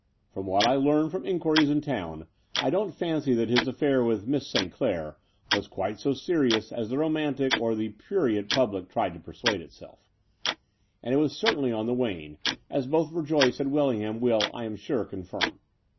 From what I learn from inquiries in town, I don't fancy that his affair with Miss St Clair was quite so serious as the romantic or the jmirient public tried to persuade itself; and it was The Dower House 217 certainly on the wane, as both Verjoyce and Well ingham will, I am sure, confirm.